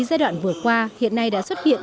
giai đoạn vừa qua hiện nay đã xuất hiện